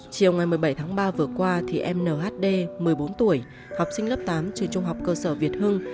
chiều ngày một mươi bảy tháng ba vừa qua thì em nhd một mươi bốn tuổi học sinh lớp tám trường trung học cơ sở việt hưng